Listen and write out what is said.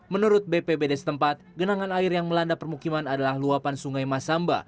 menurut bpbd setempat genangan air yang melanda permukiman adalah luapan sungai masamba